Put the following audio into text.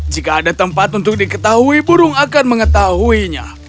jika ada tempat untuk diketahui burung akan mengetahuinya